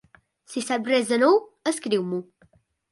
Si saps res de nou, escriu-m'ho.